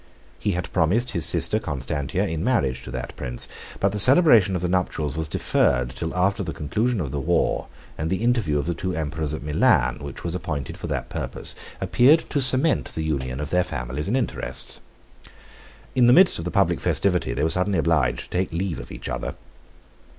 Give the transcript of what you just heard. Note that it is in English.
He had promised his sister Constantia in marriage to that prince; but the celebration of the nuptials was deferred till after the conclusion of the war, and the interview of the two emperors at Milan, which was appointed for that purpose, appeared to cement the union of their families and interests. 78 In the midst of the public festivity they were suddenly obliged to take leave of each other.